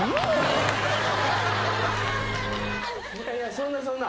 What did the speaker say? そんなそんな。